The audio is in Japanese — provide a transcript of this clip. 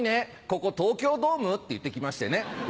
ここ東京ドーム？」って言って来ましてね。